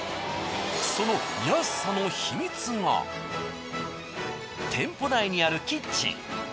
その安さの秘密が店舗内にあるキッチン。